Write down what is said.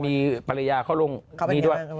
มีปริญญาเข้าลงนี้ด้วย